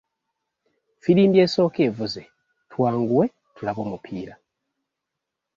Ffirimbi asooka evuze, twanguwe tulabe omupiira.